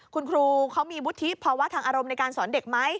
คุณครูเขามีวุฒิภาวะทางอารมณ์ในการสอนเด็กไหม